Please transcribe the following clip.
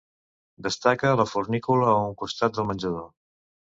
Destaca la fornícula, a un costat del menjador.